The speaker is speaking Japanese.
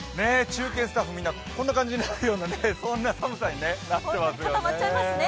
中継スタッフこんな感じになるようなそんな寒さになってますよね。